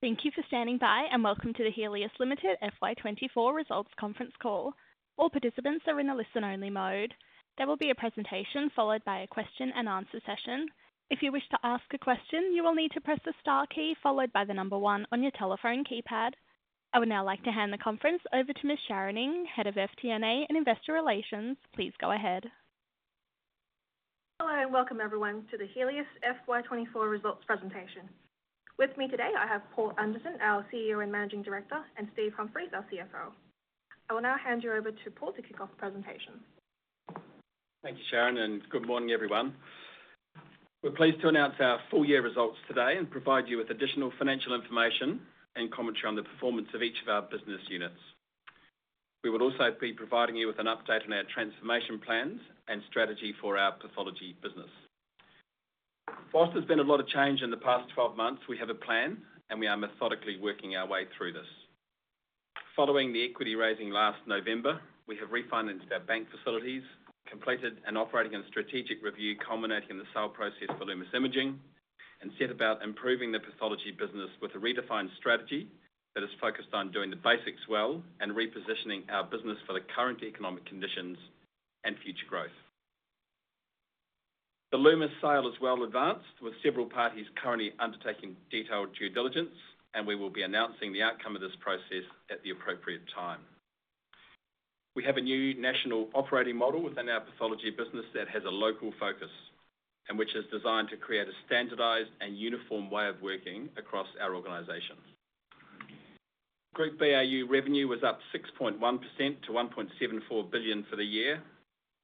Thank you for standing by, and welcome to the Healius Limited FY 2024 results conference call. All participants are in a listen-only mode. There will be a presentation followed by a question-and-answer session. If you wish to ask a question, you will need to press the star key followed by the number one on your telephone keypad. I would now like to hand the conference over to Ms. Sharon Ng, Head of FP&A and Investor Relations. Please go ahead. Hello, and welcome everyone to the Healius FY 2024 results presentation. With me today, I have Paul Anderson, our CEO and Managing Director, and Steve Humphries, our CFO. I will now hand you over to Paul to kick off the presentation. Thank you, Sharon, and good morning, everyone. We're pleased to announce our full-year results today and provide you with additional financial information and commentary on the performance of each of our business units. We will also be providing you with an update on our transformation plans and strategy for our pathology business. Whilst there's been a lot of change in the past 12 months, we have a plan, and we are methodically working our way through this. Following the equity raising last November, we have refinanced our bank facilities, completed an operating and strategic review, culminating in the sale process for Lumus Imaging, and set about improving the pathology business with a redefined strategy that is focused on doing the basics well and repositioning our business for the current economic conditions and future growth. The Lumus sale is well advanced, with several parties currently undertaking detailed due diligence, and we will be announcing the outcome of this process at the appropriate time. We have a new national operating model within our pathology business that has a local focus, and which is designed to create a standardized and uniform way of working across our organization. Group BAU revenue was up 6.1% to 1.74 billion for the year.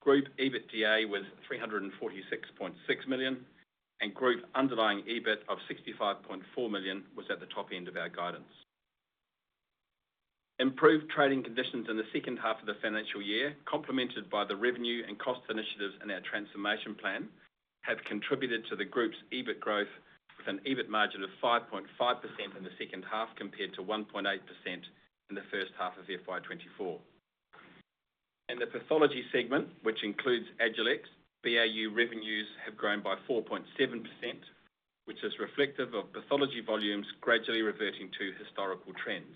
Group EBITDA was 346.6 million, and group underlying EBIT of 65.4 million was at the top end of our guidance. Improved trading conditions in the second half of the financial year, complemented by the revenue and cost initiatives in our transformation plan, have contributed to the group's EBIT growth, with an EBIT margin of 5.5% in the second half, compared to 1.8% in the first half of FY 2024. In the pathology segment, which includes Agilex, BAU revenues have grown by 4.7%, which is reflective of pathology volumes gradually reverting to historical trends.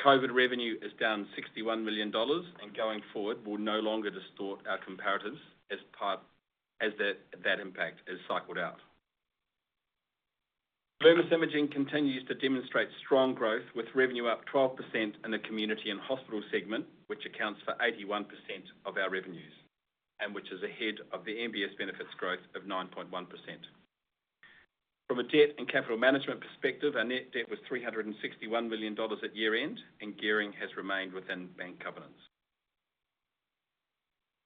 COVID revenue is down 61 million dollars, and going forward, will no longer distort our comparatives as that impact is cycled out. Lumus Imaging continues to demonstrate strong growth, with revenue up 12% in the community and hospital segment, which accounts for 81% of our revenues and which is ahead of the MBS benefits growth of 9.1%. From a debt and capital management perspective, our net debt was 361 million dollars at year-end, and gearing has remained within bank covenants.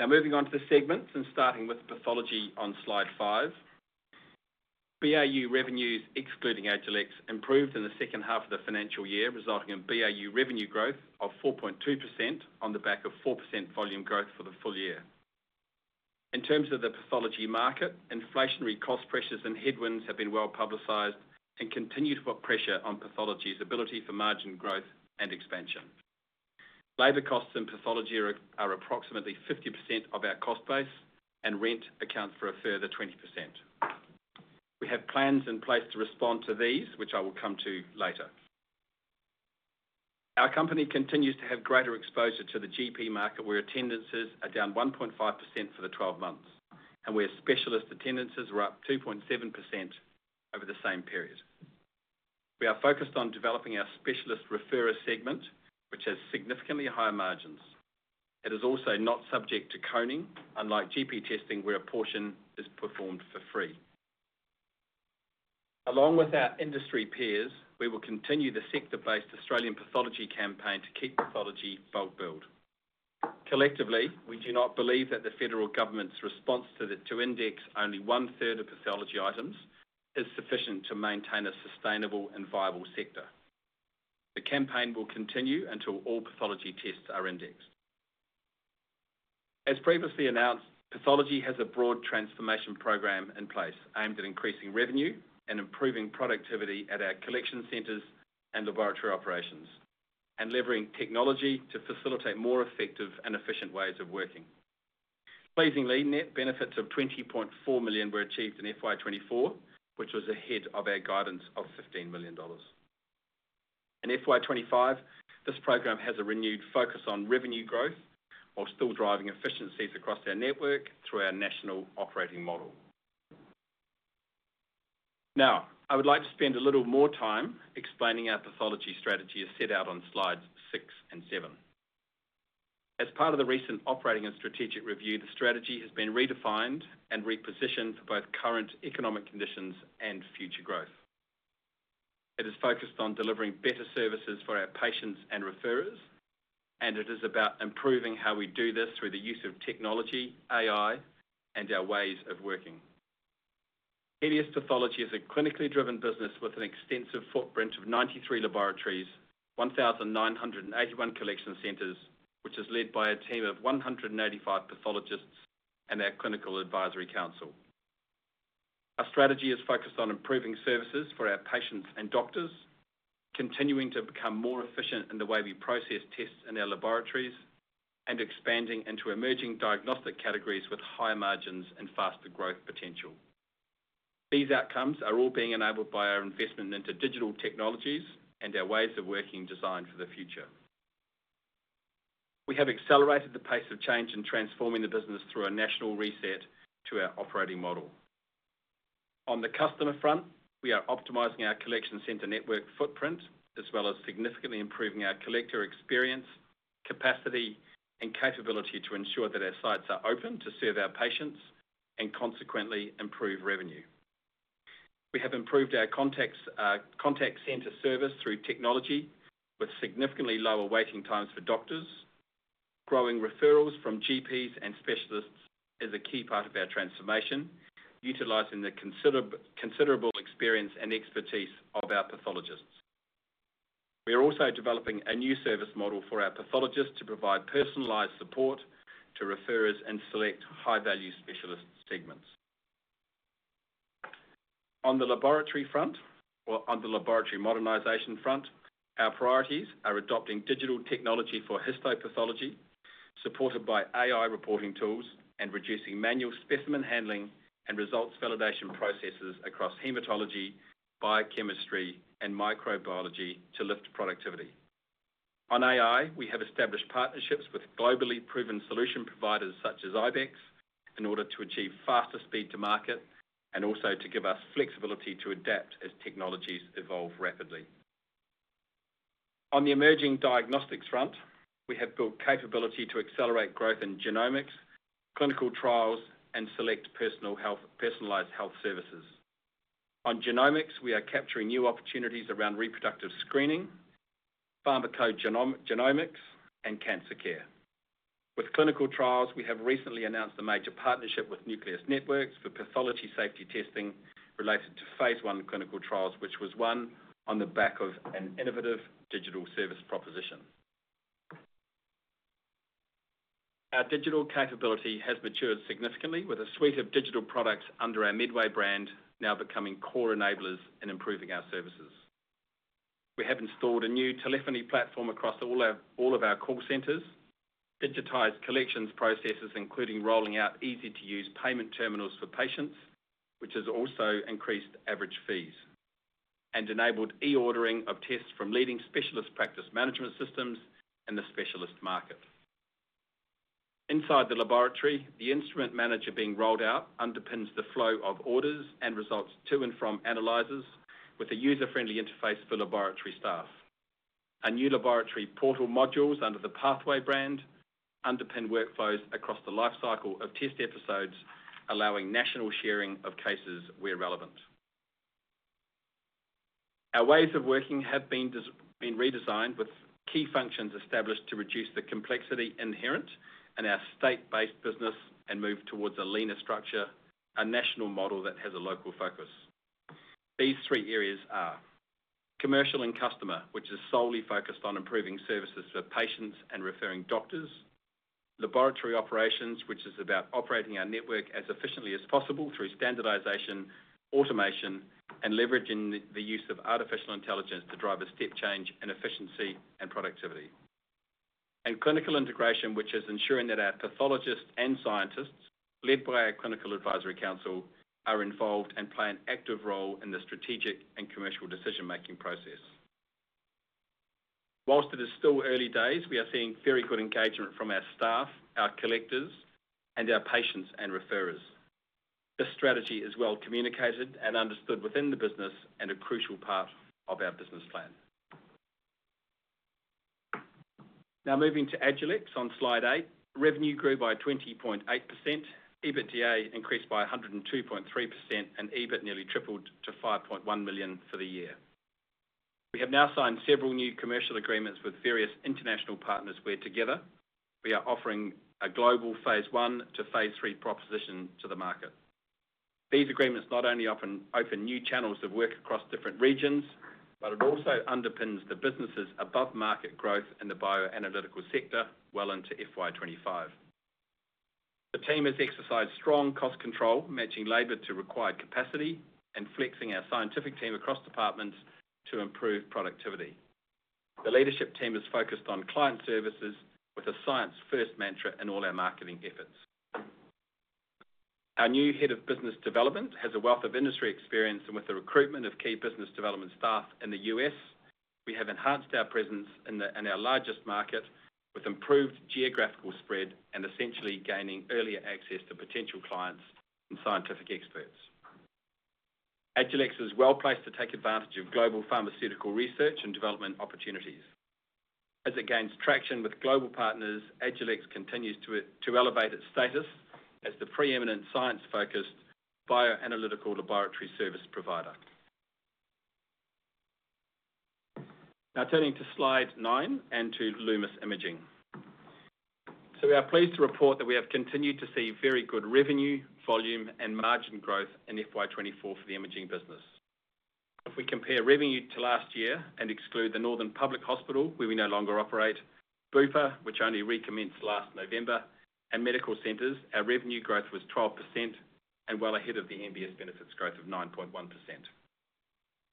Now, moving on to the segments and starting with pathology on slide five. BAU revenues, excluding Agilex, improved in the second half of the financial year, resulting in BAU revenue growth of 4.2% on the back of 4% volume growth for the full year. In terms of the pathology market, inflationary cost pressures and headwinds have been well publicized and continue to put pressure on pathology's ability for margin growth and expansion. Labor costs and pathology are approximately 50% of our cost base, and rent accounts for a further 20%. We have plans in place to respond to these, which I will come to later. Our company continues to have greater exposure to the GP market, where attendances are down 1.5% for the 12 months, and where specialist attendances are up 2.7% over the same period. We are focused on developing our specialist referrer segment, which has significantly higher margins. It is also not subject to coning, unlike GP testing, where a portion is performed for free. Along with our industry peers, we will continue the sector-based Australian pathology campaign to keep pathology bulk billed. Collectively, we do not believe that the federal government's response to index only one-third of pathology items is sufficient to maintain a sustainable and viable sector. The campaign will continue until all pathology tests are indexed. As previously announced, pathology has a broad transformation program in place, aimed at increasing revenue and improving productivity at our collection centers and laboratory operations, and leveraging technology to facilitate more effective and efficient ways of working. Pleasingly, net benefits of 20.4 million were achieved in FY 2024, which was ahead of our guidance of 15 million dollars. In FY 2025, this program has a renewed focus on revenue growth, while still driving efficiencies across our network through our national operating model. Now, I would like to spend a little more time explaining our pathology strategy as set out on slides six and seven. As part of the recent operating and strategic review, the strategy has been redefined and repositioned for both current economic conditions and future growth. It is focused on delivering better services for our patients and referrers, and it is about improving how we do this through the use of technology, AI, and our ways of working. Healius Pathology is a clinically driven business with an extensive footprint of 93 laboratories, 1,981 collection centers, which is led by a team of 185 pathologists and our Clinical Advisory Council. Our strategy is focused on improving services for our patients and doctors continuing to become more efficient in the way we process tests in our laboratories, and expanding into emerging diagnostic categories with higher margins and faster growth potential. These outcomes are all being enabled by our investment into digital technologies and our ways of working designed for the future. We have accelerated the pace of change in transforming the business through a national reset to our operating model. On the customer front, we are optimizing our collection center network footprint, as well as significantly improving our collector experience, capacity, and capability to ensure that our sites are open to serve our patients and consequently improve revenue. We have improved our contact center service through technology, with significantly lower waiting times for doctors. Growing referrals from GPs and specialists is a key part of our transformation, utilizing the considerable experience and expertise of our pathologists. We are also developing a new service model for our pathologists to provide personalized support to referrers and select high-value specialist segments. On the laboratory front, or on the laboratory modernization front, our priorities are adopting digital technology for histopathology, supported by AI reporting tools, and reducing manual specimen handling and results validation processes across hematology, biochemistry, and microbiology to lift productivity. On AI, we have established partnerships with globally proven solution providers, such as Ibex, in order to achieve faster speed to market, and also to give us flexibility to adapt as technologies evolve rapidly. On the emerging diagnostics front, we have built capability to accelerate growth in genomics, clinical trials, and select personalized health services. On genomics, we are capturing new opportunities around reproductive screening, pharmacogenomics, and cancer care. With clinical trials, we have recently announced a major partnership with Nucleus Networks for pathology safety testing related to phase one clinical trials, which was won on the back of an innovative digital service proposition. Our digital capability has matured significantly with a suite of digital products under our Medway brand, now becoming core enablers in improving our services. We have installed a new telephony platform across all of our call centers, digitized collections processes, including rolling out easy-to-use payment terminals for patients, which has also increased average fees, and enabled e-ordering of tests from leading specialist practice management systems in the specialist market. Inside the laboratory, the Instrument Manager being rolled out underpins the flow of orders and results to and from analyzers, with a user-friendly interface for laboratory staff. Our new laboratory portal modules under the Pathway brand underpin workflows across the life cycle of test episodes, allowing national sharing of cases where relevant. Our ways of working have been redesigned, with key functions established to reduce the complexity inherent in our state-based business and move towards a leaner structure, a national model that has a local focus. These three areas are commercial and customer, which is solely focused on improving services for patients and referring doctors. Laboratory operations, which is about operating our network as efficiently as possible through standardization, automation, and leveraging the use of artificial intelligence to drive a step change in efficiency and productivity. And clinical integration, which is ensuring that our pathologists and scientists, led by our Clinical Advisory Council, are involved and play an active role in the strategic and commercial decision-making process. While it is still early days, we are seeing very good engagement from our staff, our collectors, and our patients and referrers. This strategy is well communicated and understood within the business and a crucial part of our business plan. Now, moving to Agilex on slide eight, revenue grew by 20.8%, EBITDA increased by 102.3%, and EBIT nearly tripled to 5.1 million for the year. We have now signed several new commercial agreements with various international partners, where together, we are offering a global phase one to phase three proposition to the market. These agreements not only open new channels of work across different regions, but it also underpins the business's above-market growth in the bioanalytical sector well into FY 2025. The team has exercised strong cost control, matching labor to required capacity and flexing our scientific team across departments to improve productivity. The leadership team is focused on client services with a science-first mantra in all our marketing efforts. Our new head of business development has a wealth of industry experience, and with the recruitment of key business development staff in the U.S., we have enhanced our presence in our largest market, with improved geographical spread and essentially gaining earlier access to potential clients and scientific experts. Agilex is well-placed to take advantage of global pharmaceutical research and development opportunities. As it gains traction with global partners, Agilex continues to elevate its status as the preeminent science-focused bioanalytical laboratory service provider. Now, turning to slide nine and to Lumus Imaging, we are pleased to report that we have continued to see very good revenue, volume, and margin growth in FY 2024 for the imaging business. If we compare revenue to last year and exclude the Northern Private Hospital, where we no longer operate, Bupa, which only recommenced last November, and medical centers, our revenue growth was 12% and well ahead of the MBS benefits growth of 9.1%.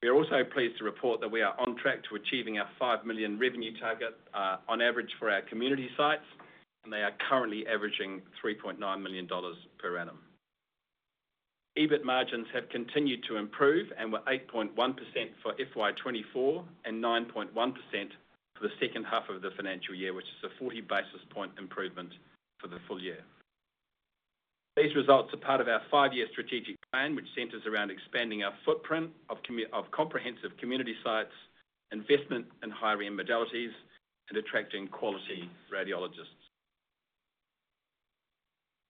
We are also pleased to report that we are on track to achieving our 5 million revenue target on average for our community sites, and they are currently averaging 3.9 million dollars per annum. EBIT margins have continued to improve and were 8.1% for FY 2024, and 9.1% for the second half of the financial year, which is a 40 basis point improvement for the full year. These results are part of our five-year strategic plan, which centers around expanding our footprint of comprehensive community sites, investment in higher end modalities, and attracting quality radiologists.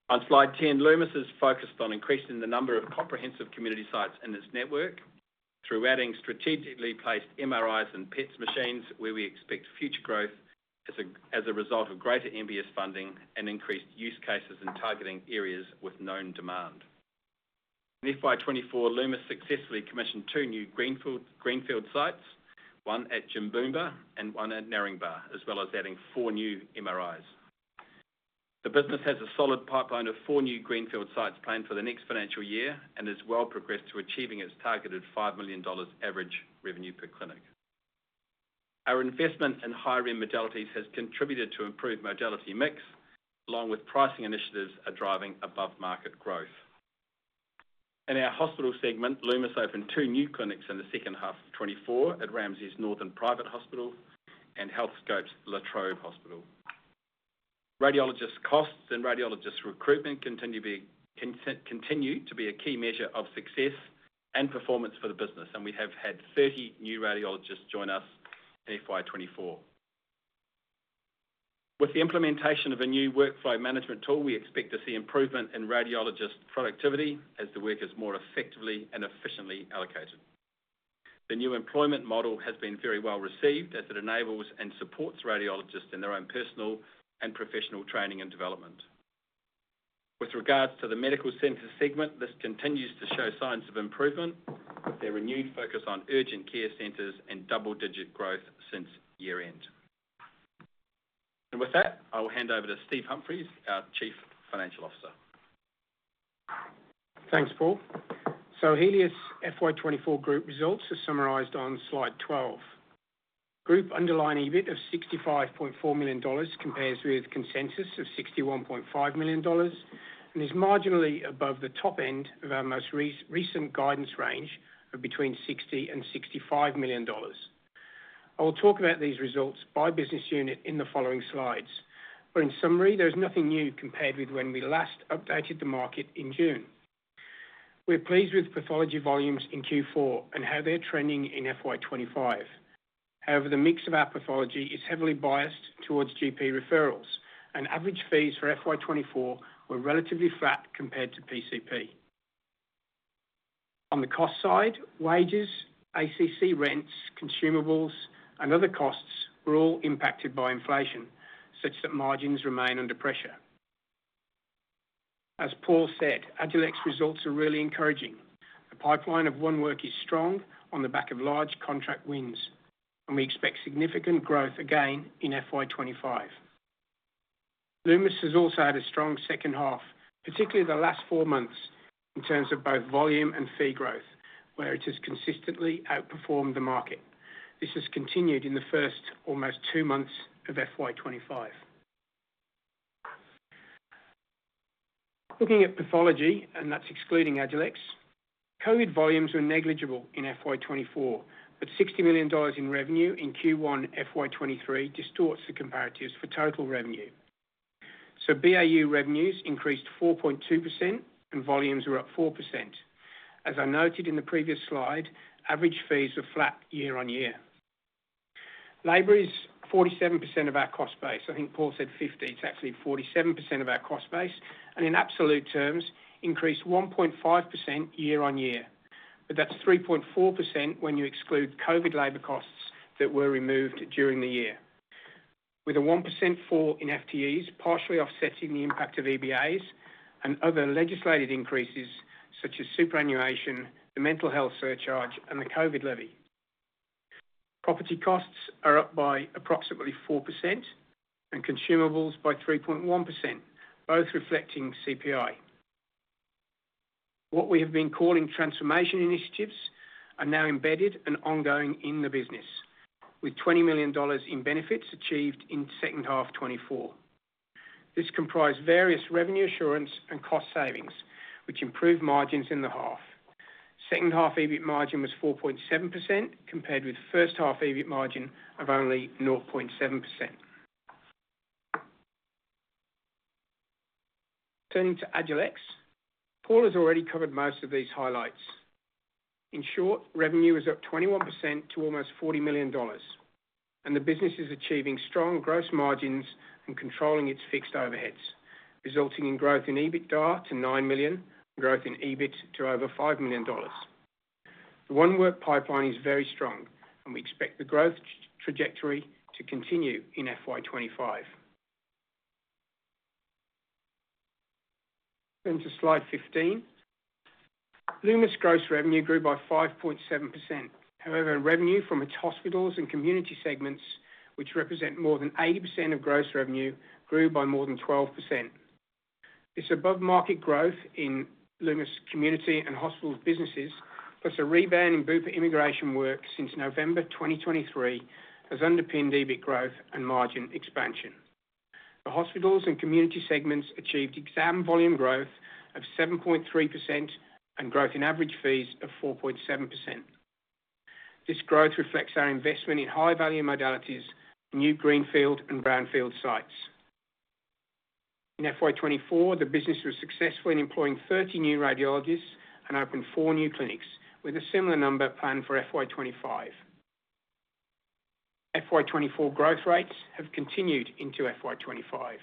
On Slide 10, Lumus is focused on increasing the number of comprehensive community sites in its network through adding strategically placed MRIs and PET machines, where we expect future growth as a result of greater MBS funding and increased use cases in targeting areas with known demand. In FY 2024, Lumus successfully commissioned two new greenfield sites, one at Jimboomba and one at Narangba, as well as adding four new MRIs. The business has a solid pipeline of four new greenfield sites planned for the next financial year, and has well progressed to achieving its targeted 5 million dollars average revenue per clinic. Our investment in higher-end modalities has contributed to improved modality mix, along with pricing initiatives are driving above-market growth. In our hospital segment, Lumus opened two new clinics in the second half of 2024 at Ramsay's Northern Private Hospital and Healthscope's Latrobe Private Hospital. Radiologist costs and radiologist recruitment continue to be a key measure of success and performance for the business, and we have had 30 new radiologists join us in FY 2024. With the implementation of a new workflow management tool, we expect to see improvement in radiologist productivity as the work is more effectively and efficiently allocated. The new employment model has been very well received, as it enables and supports radiologists in their own personal and professional training and development. With regards to the medical center segment, this continues to show signs of improvement, with a renewed focus on urgent care centers and double-digit growth since year-end, and with that, I will hand over to Steve Humphries, our Chief Financial Officer. Thanks, Paul. So Healius' FY 2024 group results are summarized on slide 12. Group underlying EBIT of 65.4 million dollars compares with consensus of 61.5 million dollars, and is marginally above the top end of our most recent guidance range of between 60 million and 65 million dollars. I will talk about these results by business unit in the following slides. But in summary, there is nothing new compared with when we last updated the market in June. We're pleased with pathology volumes in Q4 and how they're trending in FY 2025. However, the mix of our pathology is heavily biased towards GP referrals, and average fees for FY 2024 were relatively flat compared to PCP. On the cost side, wages, ACC rents, consumables, and other costs were all impacted by inflation, such that margins remain under pressure. As Paul said, Agilex results are really encouraging. The pipeline of won work is strong on the back of large contract wins, and we expect significant growth again in FY 2025. Lumus has also had a strong second half, particularly the last four months, in terms of both volume and fee growth, where it has consistently outperformed the market. This has continued in the first almost two months of FY 2025. Looking at pathology, and that's excluding Agilex, COVID volumes were negligible in FY 2024, but 60 million dollars in revenue in Q1 FY 2023 distorts the comparatives for total revenue. So BAU revenues increased 4.2%, and volumes were up 4%. As I noted in the previous slide, average fees were flat year-on-year. Labor is 47% of our cost base. I think Paul said 50, it's actually 47% of our cost base, and in absolute terms, increased 1.5% year-on-year. But that's 3.4% when you exclude COVID labor costs that were removed during the year. With a 1% fall in FTEs, partially offsetting the impact of EBAs and other legislated increases, such as superannuation, the mental health surcharge, and the COVID levy. Property costs are up by approximately 4% and consumables by 3.1%, both reflecting CPI. What we have been calling transformation initiatives are now embedded and ongoing in the business, with 20 million dollars in benefits achieved in second half 2024. This comprised various revenue assurance and cost savings, which improved margins in the half. Second half EBIT margin was 4.7%, compared with first half EBIT margin of only 0.7%. Turning to Agilex, Paul has already covered most of these highlights. In short, revenue is up 21% to almost 40 million dollars, and the business is achieving strong gross margins and controlling its fixed overheads, resulting in growth in EBITDA to 9 million, growth in EBIT to over 5 million dollars. The won work pipeline is very strong, and we expect the growth trajectory to continue in FY 2025. Then to slide 15. Lumus gross revenue grew by 5.7%. However, revenue from its hospitals and community segments, which represent more than 80% of gross revenue, grew by more than 12%. This above-market growth in Lumus community and hospitals businesses, plus a rebound in Bupa immigration work since November 2023, has underpinned EBIT growth and margin expansion. The hospitals and community segments achieved exam volume growth of 7.3% and growth in average fees of 4.7%. This growth reflects our investment in high-value modalities, new greenfield and brownfield sites. In FY 2024, the business was successful in employing thirty new radiologists and opened four new clinics, with a similar number planned for FY 2025. FY 2024 growth rates have continued into FY 2025.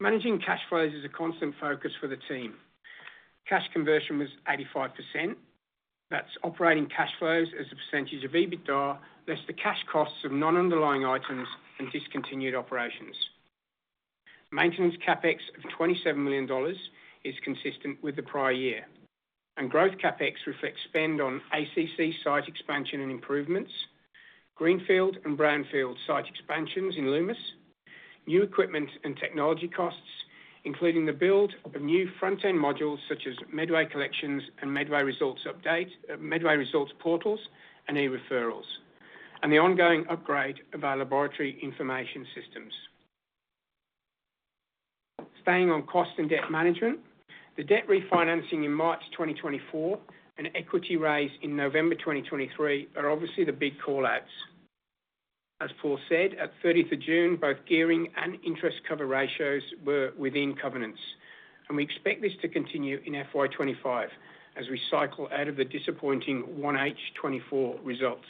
Managing cash flows is a constant focus for the team. Cash conversion was 85%. That's operating cash flows as a percentage of EBITDA, less the cash costs of non-underlying items and discontinued operations. Maintenance CapEx of 27 million dollars is consistent with the prior year, and growth CapEx reflects spend on ACC site expansion and improvements, greenfield and brownfield site expansions in Lumus, new equipment and technology costs, including the build of new front-end modules such as Medway Collections and Medway Results Update, Medway Results Portals, and e-Referrals, and the ongoing upgrade of our laboratory information systems. Staying on cost and debt management, the debt refinancing in March 2024 and equity raise in November 2023 are obviously the big call-outs. As Paul said, at thirtieth of June, both gearing and interest cover ratios were within covenants, and we expect this to continue in FY 2025 as we cycle out of the disappointing 1H 2024 results,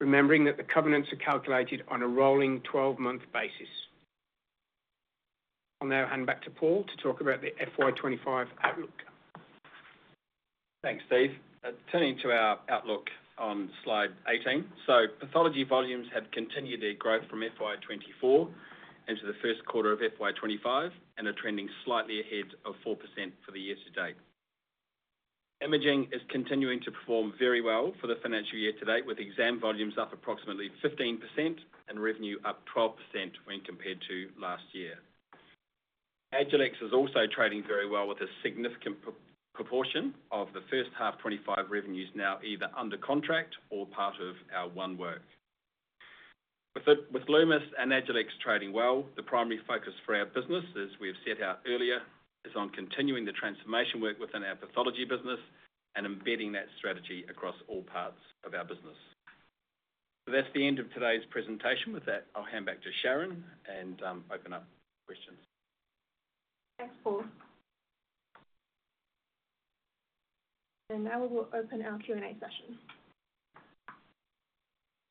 remembering that the covenants are calculated on a rolling 12-month basis. I'll now hand back to Paul to talk about the FY 2025 outlook. Thanks, Steve. Turning to our outlook on slide 18. Pathology volumes have continued their growth from FY 2024 into the first quarter of FY 2025 and are trending slightly ahead of 4% for the year to date. Imaging is continuing to perform very well for the financial year to date, with exam volumes up approximately 15% and revenue up 12% when compared to last year. Agilex is also trading very well, with a significant proportion of the first half 2025 revenues now either under contract or part of our won work. With Lumus and Agilex trading well, the primary focus for our business, as we have set out earlier, is on continuing the transformation work within our pathology business and embedding that strategy across all parts of our business. That's the end of today's presentation. With that, I'll hand back to Sharon and open up questions. Thanks, Paul. And now we will open our Q&A session.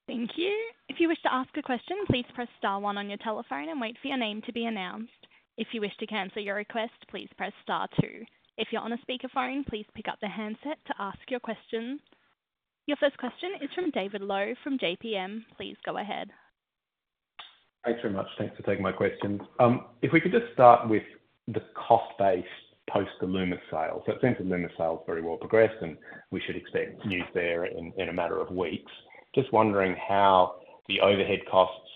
Thank you. If you wish to ask a question, please press star one on your telephone and wait for your name to be announced. If you wish to cancel your request, please press star two. If you're on a speakerphone, please pick up the handset to ask your question. Your first question is from David Low from JPM. Please go ahead. Thanks very much. Thanks for taking my questions. If we could just start with the cost base post the Lumus sale. So it seems the Lumus sale is very well progressed, and we should expect news there in a matter of weeks. Just wondering how the overhead costs,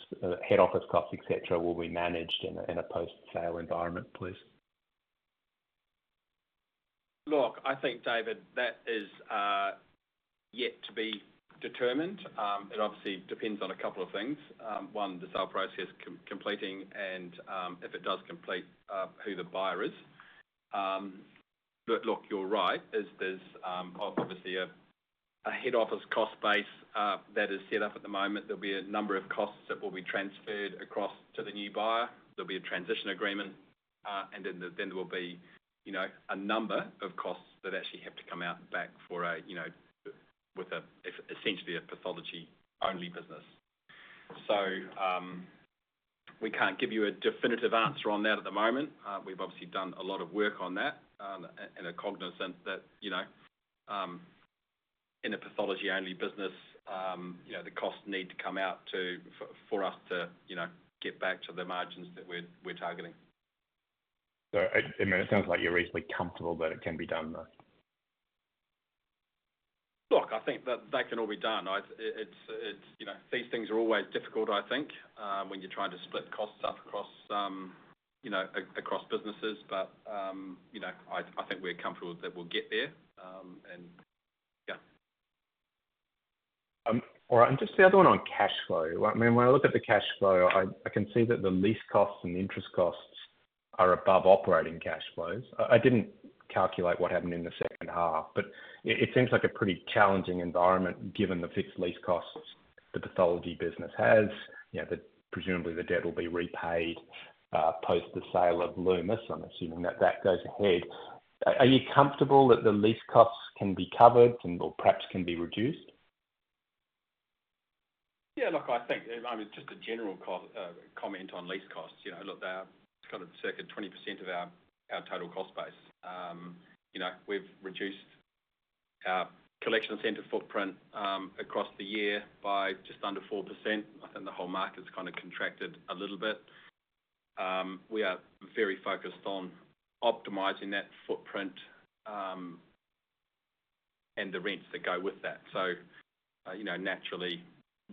head office costs, et cetera, will be managed in a post-sale environment, please? Look, I think, David, that is yet to be determined. It obviously depends on a couple of things. One, the sale process completing and, if it does complete, who the buyer is. But look, you're right, as there's obviously a head office cost base that is set up at the moment. There'll be a number of costs that will be transferred across to the new buyer. There'll be a transition agreement, and then there will be, you know, a number of costs that actually have to come out back for a, you know, with a, essentially a pathology-only business. So, we can't give you a definitive answer on that at the moment. We've obviously done a lot of work on that, and are cognizant that, you know, in a pathology-only business, you know, the costs need to come out to for us to, you know, get back to the margins that we're targeting. So, I mean, it sounds like you're reasonably comfortable that it can be done, though? Look, I think that that can all be done. It's, you know, these things are always difficult, I think, when you're trying to split costs up across, you know, across businesses. But, you know, I think we're comfortable that we'll get there, and yeah. All right, and just the other one on cash flow. I mean, when I look at the cash flow, I can see that the lease costs and the interest costs are above operating cash flows. I didn't calculate what happened in the second half, but it seems like a pretty challenging environment, given the fixed lease costs the pathology business has. You know, presumably, the debt will be repaid post the sale of Lumus. I'm assuming that goes ahead. Are you comfortable that the lease costs can be covered and/or perhaps can be reduced? Yeah, look, I think, I mean, just a general comment on lease costs. You know, look, they are kind of circa 20% of our total cost base. You know, we've reduced our collection center footprint across the year by just under 4%. I think the whole market's kind of contracted a little bit. We are very focused on optimizing that footprint and the rents that go with that. So, you know, naturally,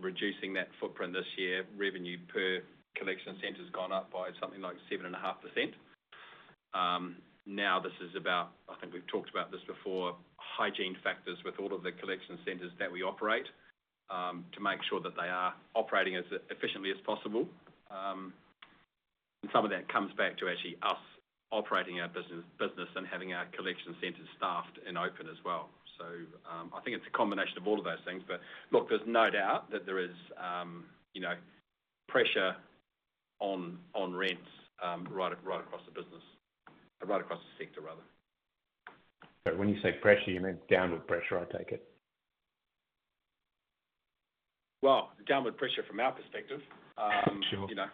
reducing that footprint this year, revenue per collection center has gone up by something like 7.5%. Now this is about. I think we've talked about this before, hygiene factors with all of the collection centers that we operate to make sure that they are operating as efficiently as possible. And some of that comes back to actually us operating our business and having our collection centers staffed and open as well. So, I think it's a combination of all of those things. But look, there's no doubt that there is, you know, pressure on rents, right across the business, right across the sector, rather. But when you say pressure, you meant downward pressure, I take it? Downward pressure from our perspective. Sure. You know,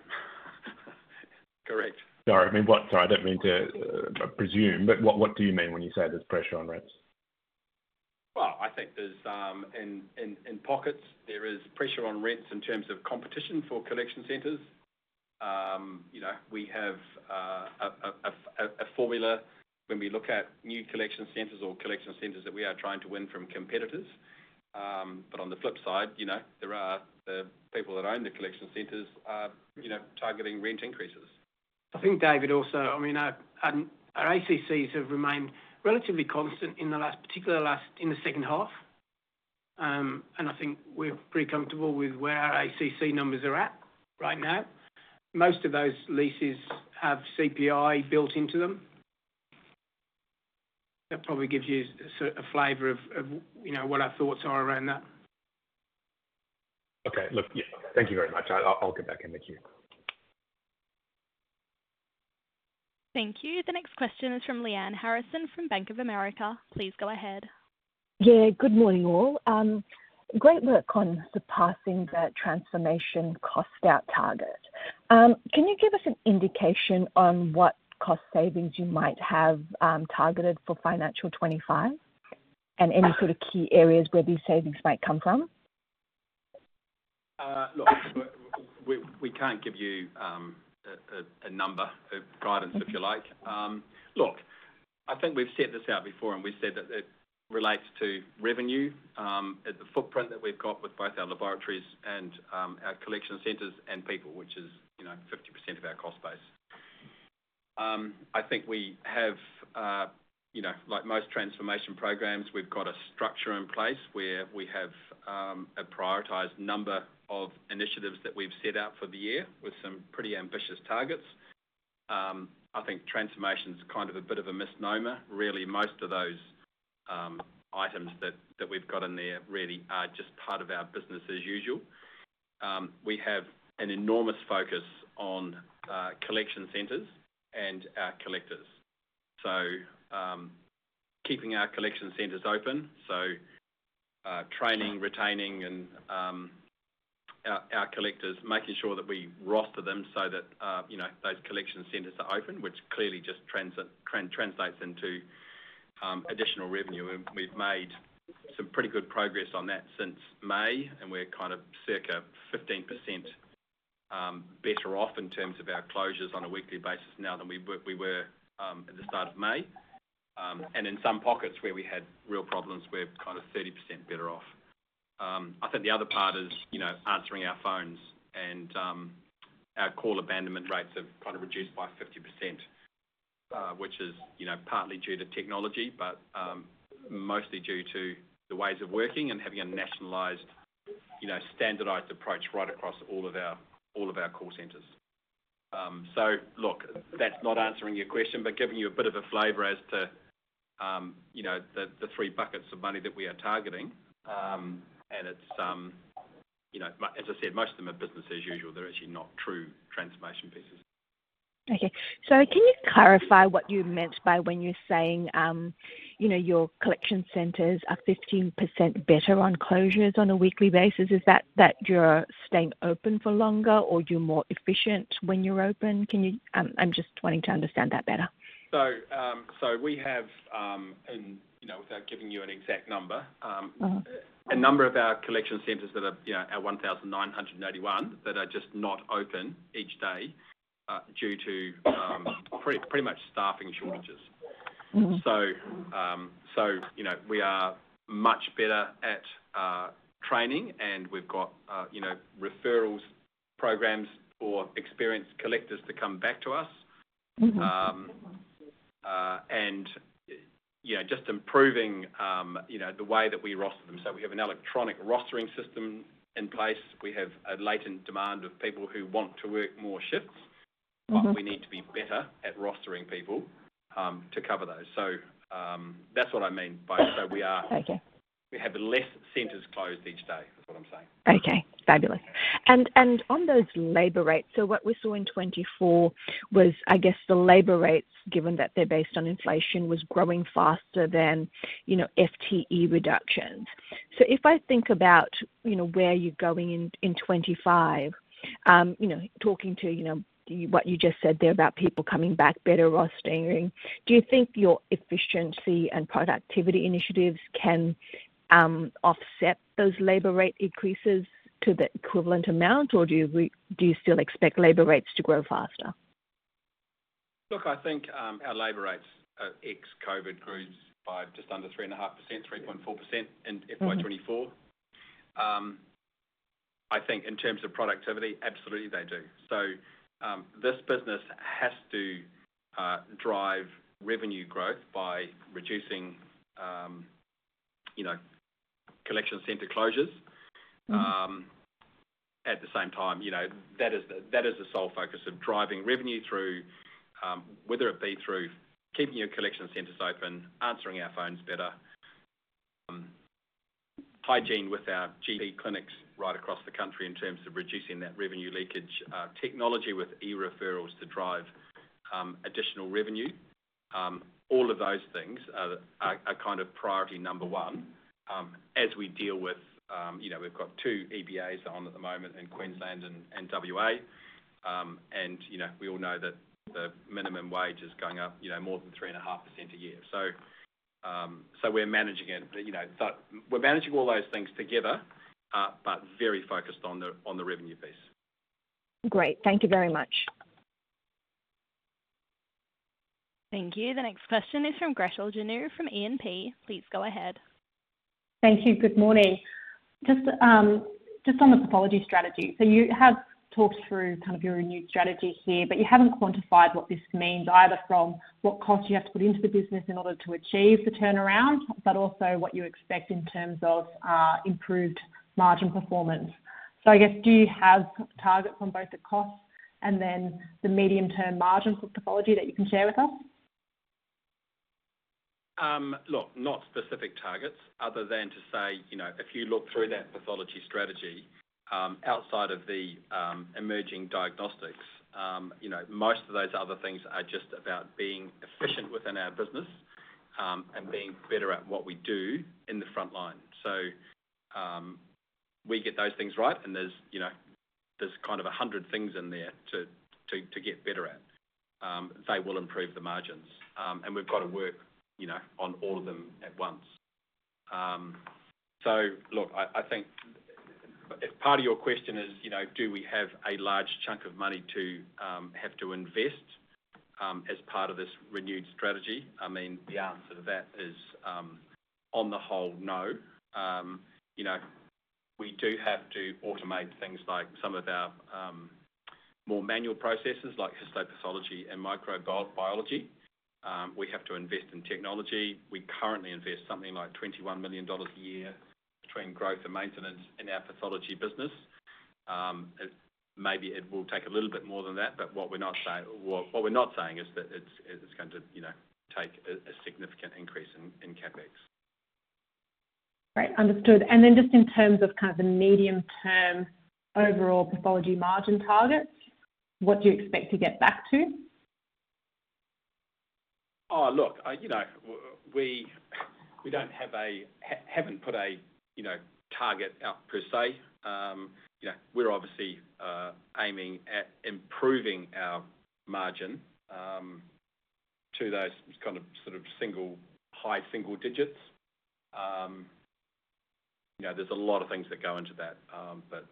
correct. No, I mean, what? Sorry, I don't mean to presume, but what, what do you mean when you say there's pressure on rents? I think there's, in pockets, there is pressure on rents in terms of competition for collection centers. You know, we have a formula when we look at new collection centers or collection centers that we are trying to win from competitors. But on the flip side, you know, there are the people that own the collection centers, you know, targeting rent increases. I think, David, also, I mean, our ACCs have remained relatively constant in the last, particularly in the second half, and I think we're pretty comfortable with where our ACC numbers are at right now. Most of those leases have CPI built into them. That probably gives you a sort of a flavor of, you know, what our thoughts are around that. Okay, look, yeah. Thank you very much. I'll get back in the queue. Thank you. The next question is from Lyanne Harrison, from Bank of America. Please go ahead. Yeah, good morning, all. Great work on surpassing that transformation cost out target. Can you give us an indication on what cost savings you might have targeted for financial 2025? And any sort of key areas where these savings might come from? Look, we can't give you a number guidance, if you like. Look, I think we've set this out before, and we've said that it relates to revenue at the footprint that we've got with both our laboratories and our collection centers and people, which is, you know, 50% of our cost base. I think we have, you know, like most transformation programs, we've got a structure in place where we have a prioritized number of initiatives that we've set out for the year with some pretty ambitious targets. I think transformation is kind of a bit of a misnomer. Really, most of those items that we've got in there really are just part of our business as usual. We have an enormous focus on collection centers and our collectors. Keeping our collection centers open, so, training, retaining, and our collectors, making sure that we roster them so that you know those collection centers are open, which clearly just translates into additional revenue. We've made some pretty good progress on that since May, and we're kind of circa 15% better off in terms of our closures on a weekly basis now than we were at the start of May. In some pockets where we had real problems, we're kind of 30% better off. I think the other part is, you know, answering our phones and our call abandonment rates have kind of reduced by 50%, which is, you know, partly due to technology, but mostly due to the ways of working and having a nationalized, you know, standardized approach right across all of our call centers. So look, that's not answering your question, but giving you a bit of a flavor as to, you know, the three buckets of money that we are targeting. And it's, you know, as I said, most of them are business as usual. They're actually not true transformation pieces. Okay. So can you clarify what you meant by when you're saying, you know, your collection centers are 15% better on closures on a weekly basis? Is that you're staying open for longer or you're more efficient when you're open? Can you, I'm just wanting to understand that better. We have, and, you know, without giving you an exact number, Mm-hmm a number of our collection centers that are, you know, our 1,981, that are just not open each day due to pretty much staffing shortages. Mm-hmm. You know, we are much better at, you know, referral programs for experienced collectors to come back to us. Mm-hmm. you know, just improving, you know, the way that we roster them. So we have an electronic rostering system in place. We have a latent demand of people who want to work more shifts. Mm-hmm. But we need to be better at rostering people to cover those. So, that's what I mean. So we are Okay. We have less centers closed each day, is what I'm saying. Okay, fabulous. And on those labor rates, so what we saw in 2024 was, I guess, the labor rates, given that they're based on inflation, was growing faster than, you know, FTE reductions. So if I think about, you know, where you're going in 2025, you know, talking to what you just said there about people coming back better or staying, do you think your efficiency and productivity initiatives can offset those labor rate increases to the equivalent amount, or do you still expect labor rates to grow faster? Look, I think our labor rates ex-COVID grows by just under 3.5%, 3.4% in FY 2024. I think in terms of productivity, absolutely they do. So this business has to drive revenue growth by reducing, you know, collection center closures. Mm-hmm. At the same time, you know, that is the sole focus of driving revenue through whether it be through keeping your collection centers open, answering our phones better, hygiene with our GP clinics right across the country in terms of reducing that revenue leakage, technology with e-referrals to drive additional revenue. All of those things are kind of priority number one as we deal with, you know, we've got two EBAs on at the moment in Queensland and WA. You know, we all know that the minimum wage is going up, you know, more than 3.5% a year, so we're managing it, you know, but we're managing all those things together, but very focused on the revenue piece. Great. Thank you very much. Thank you. The next question is from Gretel Janu, from E&P. Please go ahead. Thank you. Good morning. Just, just on the pathology strategy. So you have talked through kind of your renewed strategy here, but you haven't quantified what this means, either from what costs you have to put into the business in order to achieve the turnaround, but also what you expect in terms of improved margin performance. So I guess, do you have targets on both the costs and then the medium-term margin for pathology that you can share with us? Look, not specific targets other than to say, you know, if you look through that pathology strategy, outside of the emerging diagnostics, you know, most of those other things are just about being efficient within our business, and being better at what we do in the front line. So, we get those things right, and there's, you know, kind of 100 things in there to get better at. They will improve the margins, and we've got to work, you know, on all of them at once. So look, I think if part of your question is, you know, do we have a large chunk of money to have to invest, as part of this renewed strategy? I mean, the answer to that is, on the whole, no. You know, we do have to automate things like some of our more manual processes, like histopathology and microbiology. We have to invest in technology. We currently invest something like 21 million dollars a year between growth and maintenance in our pathology business. Maybe it will take a little bit more than that, but what we're not saying, well, what we're not saying is that it's going to, you know, take a significant increase in CapEx. Great. Understood, and then just in terms of kind of the medium-term overall pathology margin targets, what do you expect to get back to? Oh, look, you know, we haven't put a, you know, target out per se. You know, we're obviously aiming at improving our margin to those kind of, sort of single, high single digits. You know, there's a lot of things that go into that. But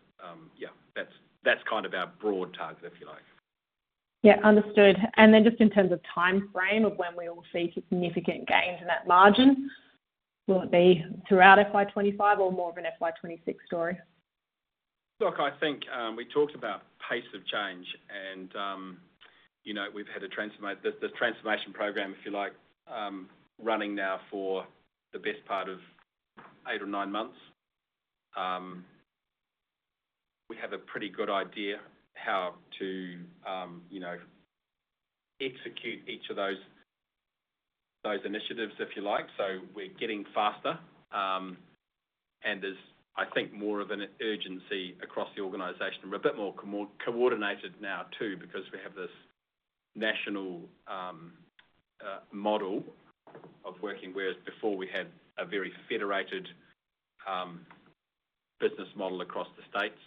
yeah, that's kind of our broad target, if you like. Yeah, understood. And then just in terms of timeframe of when we will see significant gains in that margin, will it be throughout FY 2025 or more of an FY 2026 story? Look, I think, we talked about pace of change, and, you know, we've had a transformation program, if you like, running now for the best part of eight or nine months. We have a pretty good idea how to, you know, execute each of those initiatives, if you like. So we're getting faster, and there's, I think, more of an urgency across the organization. We're a bit more coordinated now, too, because we have this national model of working, whereas before we had a very federated business model across the states,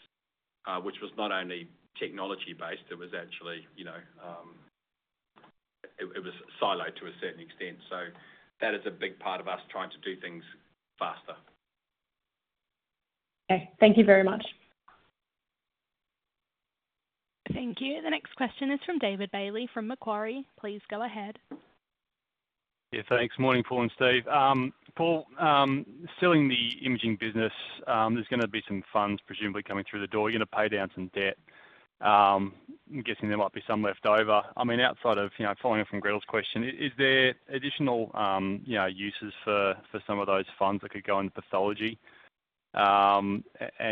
which was not only technology-based, it was actually, you know, it was siloed to a certain extent. So that is a big part of us trying to do things faster. Okay. Thank you very much. Thank you. The next question is from David Bailey, from Macquarie. Please go ahead. Yeah, thanks. Morning, Paul and Steve. Paul, selling the imaging business, there's gonna be some funds presumably coming through the door. You're gonna pay down some debt. I'm guessing there might be some leftover. I mean, outside of, you know, following up from Gretel's question, is there additional, you know, uses for, for some of those funds that could go into pathology? And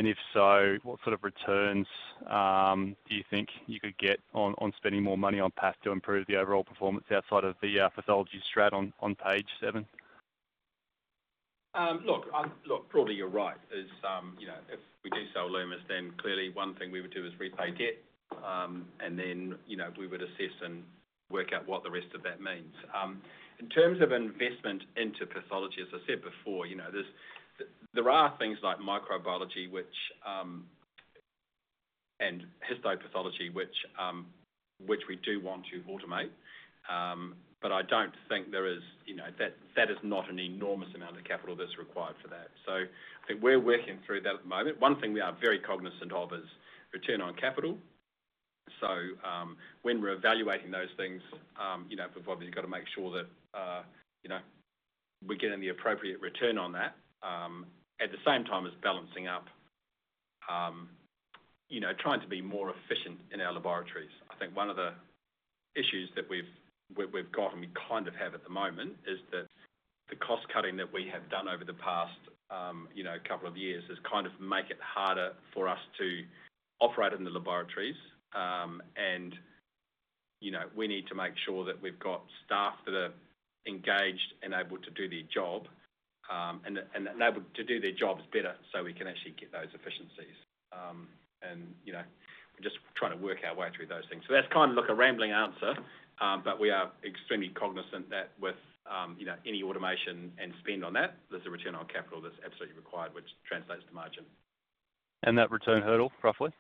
if so, what sort of returns, do you think you could get on, on spending more money on path to improve the overall performance outside of the, pathology strategy on, on page seven? Look, broadly, you're right. There's, you know, if we do sell Lumus, then clearly one thing we would do is repay debt and then, you know, we would assess and work out what the rest of that means. In terms of investment into pathology, as I said before, you know, there's, there are things like microbiology, which, and histopathology, which, which we do want to automate. But I don't think there is, you know, that, that is not an enormous amount of capital that's required for that. So I think we're working through that at the moment. One thing we are very cognizant of is return on capital. So, when we're evaluating those things, you know, we've obviously got to make sure that, you know, we're getting the appropriate return on that, at the same time as balancing up, you know, trying to be more efficient in our laboratories. I think one of the issues that we've got, and we kind of have at the moment, is that the cost cutting that we have done over the past, you know, couple of years has kind of make it harder for us to operate in the laboratories. And, you know, we need to make sure that we've got staff that are engaged and able to do their job, and able to do their jobs better so we can actually get those efficiencies. And, you know, we're just trying to work our way through those things. That's kind of like a rambling answer, but we are extremely cognizant that with, you know, any automation and spend on that, there's a return on capital that's absolutely required, which translates to margin. That return hurdle, roughly?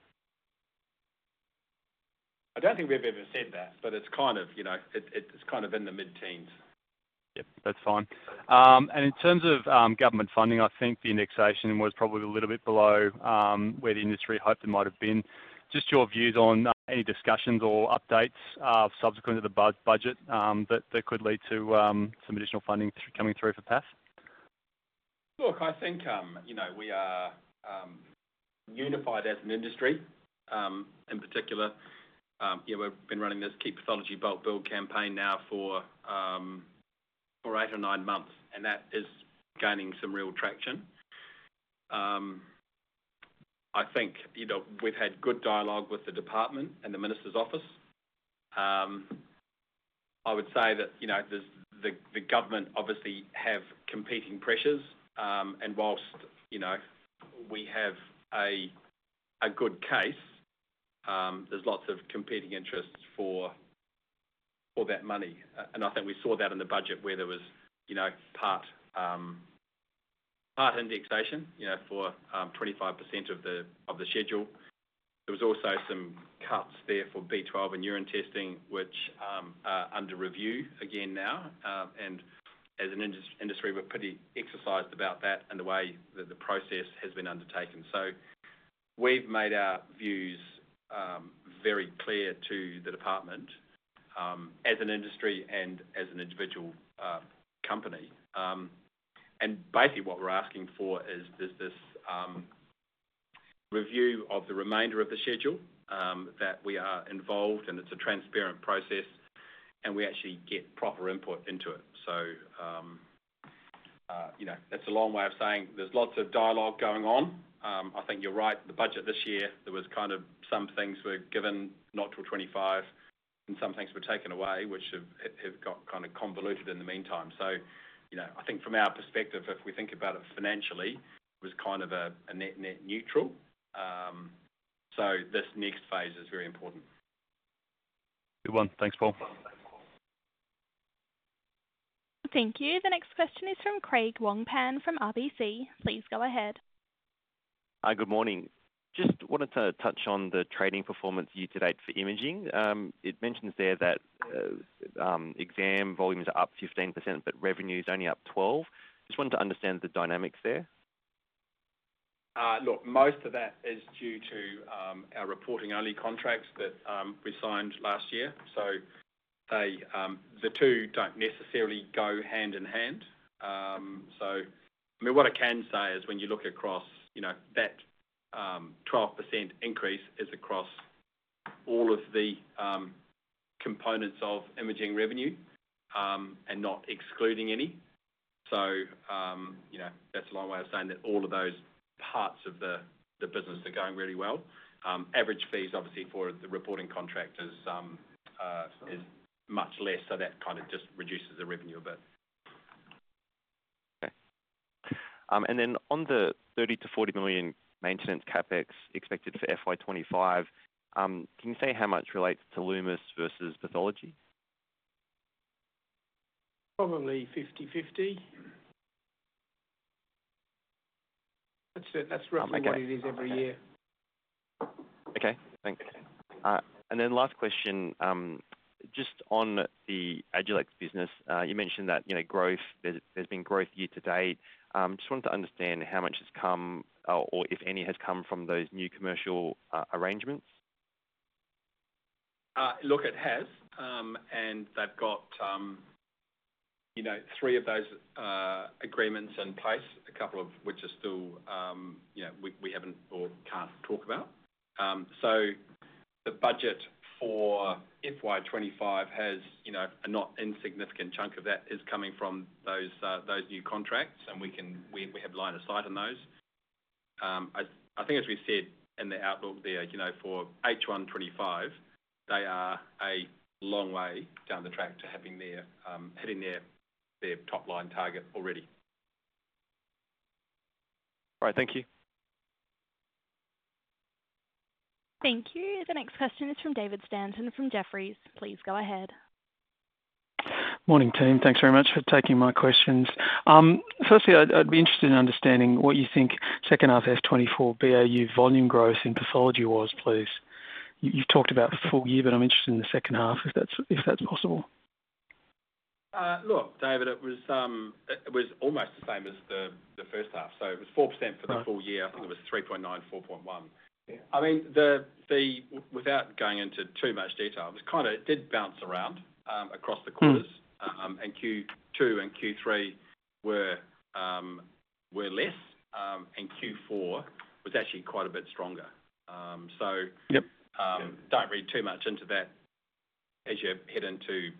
I don't think we've ever said that, but it's kind of, you know, it, it's kind of in the mid-teens. Yep, that's fine. And in terms of government funding, I think the indexation was probably a little bit below where the industry hoped it might have been. Just your views on any discussions or updates subsequent to the budget that could lead to some additional funding coming through for path? Look, I think, you know, we are unified as an industry, in particular, yeah, we've been running this Keep Pathology Bulk Billed campaign now for eight or nine months, and that is gaining some real traction. I think, you know, we've had good dialogue with the department and the minister's office. I would say that, you know, there's the government obviously have competing pressures, and whilst, you know, we have a good case, there's lots of competing interests for that money. And I think we saw that in the budget where there was, you know, part indexation, you know, for 25% of the schedule. There was also some cuts there for B12 and urine testing, which are under review again now. And as an industry, we're pretty exercised about that and the way that the process has been undertaken. So we've made our views very clear to the department as an industry and as an individual company. And basically, what we're asking for is there's this review of the remainder of the schedule that we are involved and it's a transparent process, and we actually get proper input into it. So, you know, that's a long way of saying there's lots of dialogue going on. I think you're right. The budget this year, there was kind of some things were given not till 2025, and some things were taken away, which have got kind of convoluted in the meantime. So, you know, I think from our perspective, if we think about it financially, it was kind of a net neutral. So this next phase is very important. Good one. Thanks, Paul. Thank you. The next question is from Craig Wong-Pan from RBC. Please go ahead. Hi, good morning. Just wanted to touch on the trading performance year to date for imaging. It mentions there that exam volumes are up 15%, but revenue is only up 12%. Just wanted to understand the dynamics there. Look, most of that is due to our reporting-only contracts that we signed last year. So they, the two don't necessarily go hand in hand. So, I mean, what I can say is when you look across, you know, that 12% increase is across all of the components of imaging revenue, and not excluding any. So, you know, that's a long way of saying that all of those parts of the business are going really well. Average fees, obviously, for the reporting contract is much less, so that kind of just reduces the revenue a bit. Okay. And then on the 30 million-40 million maintenance CapEx expected for FY 2025, can you say how much relates to Lumus versus pathology? Probably 50/50. That's it. I'll make a That's roughly what it is every year. Okay, thanks, and then last question, just on the Agilex business, you mentioned that, you know, growth, there's been growth year to date. Just wanted to understand how much has come, or if any, has come from those new commercial arrangements. Look, it has, and they've got, you know, three of those agreements in place, a couple of which are still, you know, we, we haven't or can't talk about. So the budget for FY 2025 has, you know, a not insignificant chunk of that is coming from those, those new contracts, and we can, we, we have line of sight on those. I, I think as we said in the outlook there, you know, for H1 2025, they are a long way down the track to having their, hitting their, their top line target already. All right, thank you. Thank you. The next question is from David Stanton from Jefferies. Please go ahead. Morning, team. Thanks very much for taking my questions. Firstly, I'd be interested in understanding what you think second half FY 2024 BAU volume growth in pathology was, please. You've talked about the full year, but I'm interested in the second half, if that's possible. Look, David, it was almost the same as the first half, so it was 4% for the full year. Right. I think it was 3.9%, 4.1%. Yeah. I mean, without going into too much detail, it was kind of, it did bounce around across the quarters. Mm. And Q2 and Q3 were less, and Q4 was actually quite a bit stronger. So- Yep. Don't read too much into that as you head into,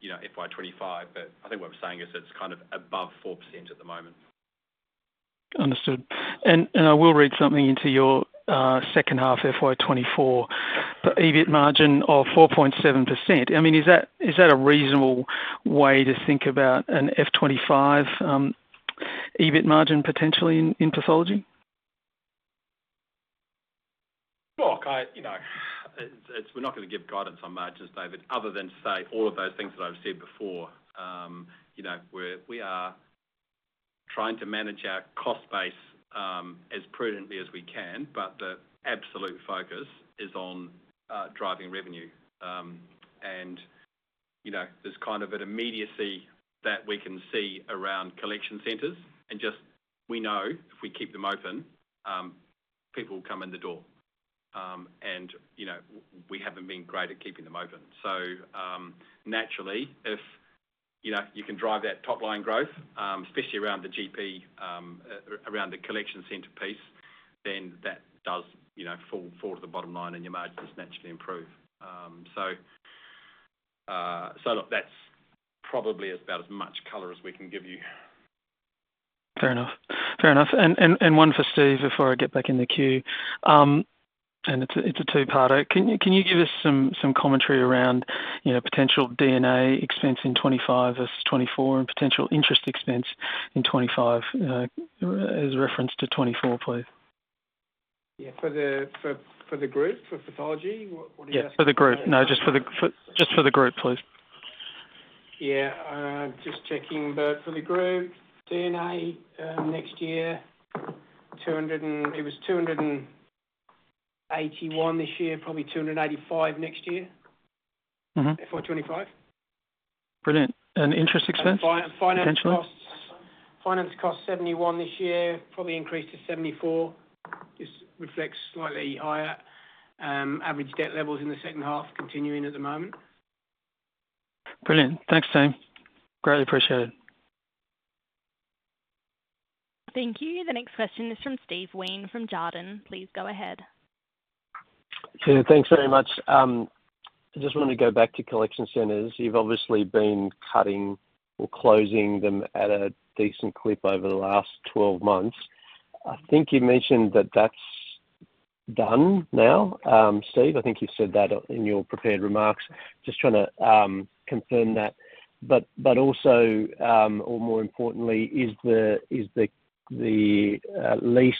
you know, FY 2025, but I think what I'm saying is it's kind of above 4% at the moment. Understood. And I will read something into your second half, FY 2024, the EBIT margin of 4.7%. I mean, is that a reasonable way to think about an FY 2025 EBIT margin potentially in pathology? Look, you know, it's, we're not gonna give guidance on margins, David, other than to say all of those things that I've said before. You know, we are trying to manage our cost base as prudently as we can, but the absolute focus is on driving revenue. And, you know, there's kind of an immediacy that we can see around collection centers, and just we know if we keep them open, people will come in the door. And, you know, we haven't been great at keeping them open. So, naturally, if, you know, you can drive that top-line growth, especially around the GP, around the collection center piece, then that does, you know, fall to the bottom line and your margins naturally improve. So look, that's probably about as much color as we can give you. Fair enough. Fair enough. And one for Steve before I get back in the queue. And it's a two-parter. Can you give us some commentary around, you know, potential D&A expense in 2025 as 2024 and potential interest expense in 2025 as a reference to 2024, please? Yeah, for the group, for pathology, what are you asking? Yeah, for the group. No, just for the group, please. Yeah. Just checking, but for the group, D&A next year. It was 281 this year, probably 285 next year. Mm-hmm. FY 2025. Brilliant. And interest expense, potentially? Finance costs, finance costs 71 this year, probably increase to 74. Just reflects slightly higher average debt levels in the second half, continuing at the moment. Brilliant. Thanks, team. Greatly appreciated. Thank you. The next question is from Steve Wheen from Jarden. Please go ahead. Sure. Thanks very much. I just wanted to go back to collection centers. You've obviously been cutting or closing them at a decent clip over the last twelve months. I think you mentioned that that's done now, Steve. I think you said that in your prepared remarks. Just trying to confirm that. But also, or more importantly, is the lease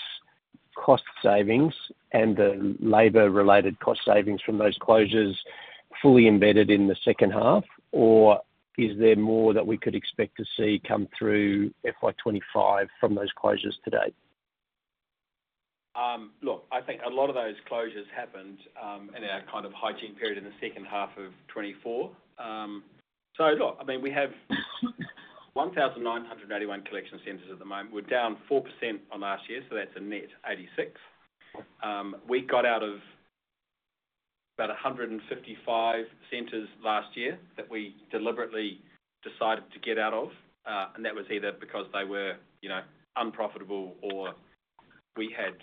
cost savings and the labor-related cost savings from those closures fully embedded in the second half? Or is there more that we could expect to see come through FY 2025 from those closures to date? Look, I think a lot of those closures happened in our kind of hygiene period in the second half of 2024. So look, I mean, we have 1,981 collection centers at the moment. We're down 4% on last year, so that's a net 86. We got out of about 155 centers last year that we deliberately decided to get out of, and that was either because they were, you know, unprofitable or we had,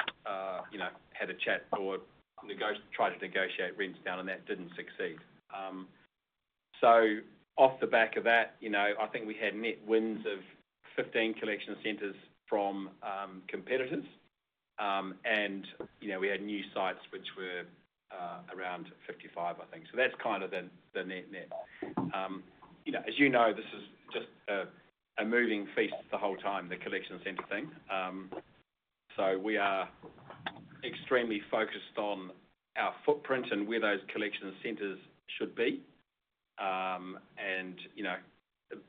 you know, had a chat or tried to negotiate rents down, and that didn't succeed. So off the back of that, you know, I think we had net wins of 15 collection centers from competitors, and, you know, we had new sites which were around 55, I think. So that's kind of the net-net. You know, as you know, this is just a moving feast the whole time, the collection center thing. So we are extremely focused on our footprint and where those collection centers should be, and, you know,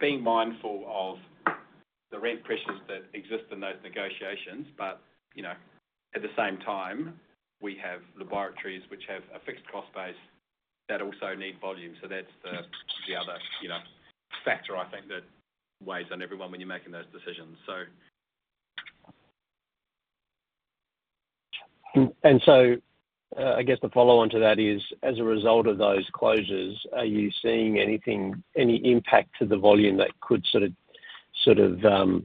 being mindful of the rent pressures that exist in those negotiations. But you know, at the same time, we have laboratories which have a fixed cost base that also need volume. So that's the other, you know, factor, I think, that weighs on everyone when you're making those decisions. And so, I guess the follow-on to that is, as a result of those closures, are you seeing anything, any impact to the volume that could sort of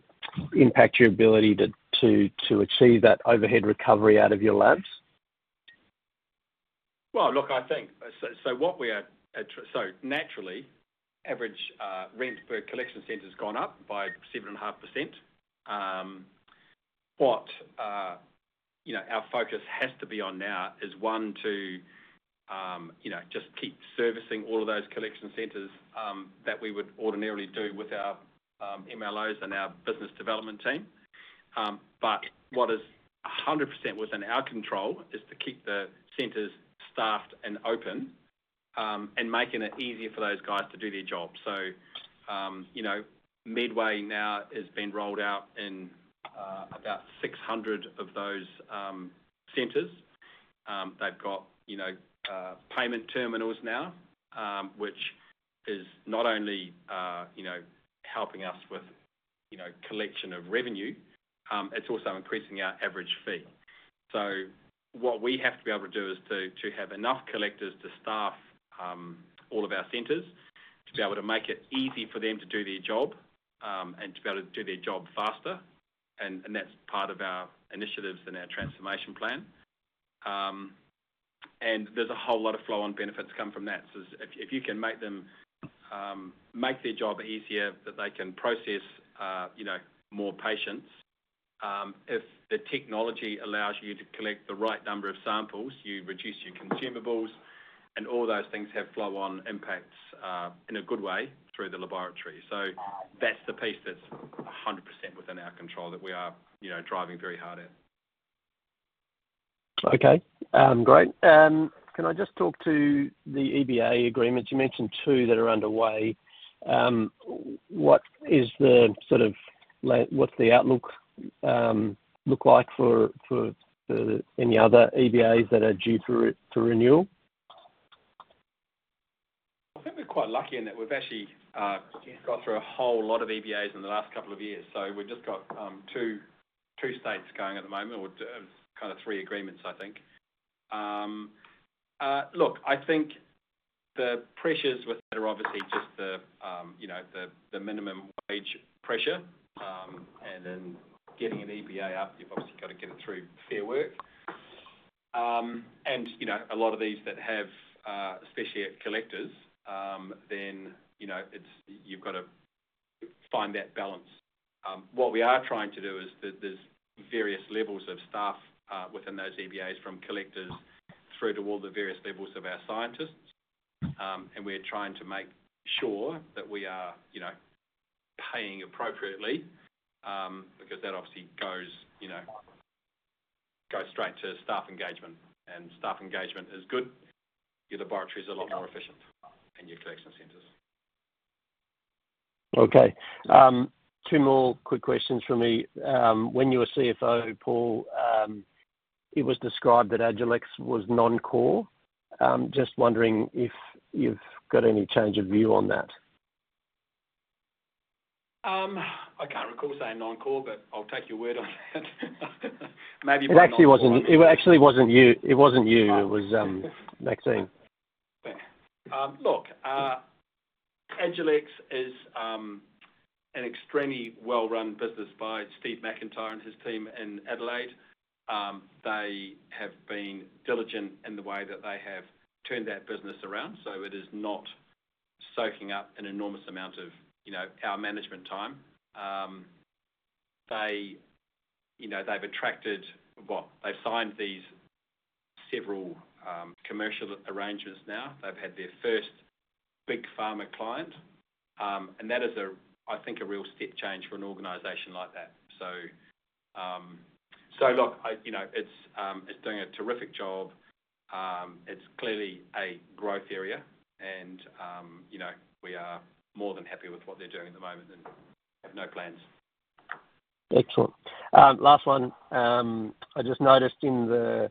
impact your ability to achieve that overhead recovery out of your labs? Look, I think so what we are at. Naturally, average rent per collection center has gone up by 7.5%. You know, our focus has to be on now is one, to you know, just keep servicing all of those collection centers that we would ordinarily do with our MLOs and our business development team. But what is 100% within our control is to keep the centers staffed and open and making it easier for those guys to do their job. You know, Medway now has been rolled out in about 600 of those centers. They've got you know payment terminals now which is not only you know helping us with you know collection of revenue, it's also increasing our average fee. So what we have to be able to do is to have enough collectors to staff all of our centers, to be able to make it easy for them to do their job, and to be able to do their job faster, and that's part of our initiatives and our transformation plan. And there's a whole lot of flow-on benefits come from that. So if you can make them make their job easier, that they can process, you know, more patients, if the technology allows you to collect the right number of samples, you reduce your consumables, and all those things have flow-on impacts in a good way through the laboratory. So that's the piece that's 100% within our control that we are, you know, driving very hard at. Okay. Great. Can I just talk to the EBA agreements? You mentioned two that are underway. What is the sort of like what's the outlook look like for any other EBAs that are due for renewal? I think we're quite lucky in that we've actually gone through a whole lot of EBAs in the last couple of years, so we've just got two states going at the moment, or kind of three agreements, I think. Look, I think the pressures with that are obviously just the you know the minimum wage pressure, and then getting an EBA up, you've obviously got to get it through Fair Work. And, you know, a lot of these that have especially at collectors, then, you know, it's you've got to find that balance. What we are trying to do is there, there's various levels of staff within those EBAs, from collectors through to all the various levels of our scientists. and we're trying to make sure that we are, you know, paying appropriately, because that obviously goes, you know, goes straight to staff engagement. And staff engagement is good, your laboratory is a lot more efficient and your collection centers. Okay. Two more quick questions from me. When you were CFO, Paul, it was described that Agilex was non-core. Just wondering if you've got any change of view on that? I can't recall saying non-core, but I'll take your word on that. Maybe It actually wasn't, it actually wasn't you. It wasn't you. It was Maxine. Look, Agilex is an extremely well-run business by Steve McIntyre and his team in Adelaide. They have been diligent in the way that they have turned that business around, so it is not soaking up an enormous amount of, you know, our management time. They, you know, they've attracted. They've signed these several commercial arrangements now. They've had their first big pharma client, and that is a, I think, a real step change for an organization like that. So look, I, you know, it's doing a terrific job. It's clearly a growth area, and, you know, we are more than happy with what they're doing at the moment and have no plans. Excellent. Last one. I just noticed in the